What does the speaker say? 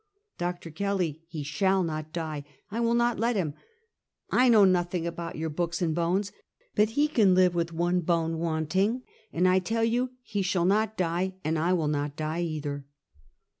" Doctor Kelly, he shall not die; I will not let him. I know nothing about your books and bones; but he can live with one bone wanting, and I tell you he shall not die, and I will not die either."